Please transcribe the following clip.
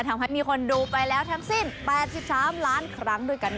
ทำให้มีคนดูไปแล้วทั้งสิ้น๘๓ล้านครั้งด้วยกัน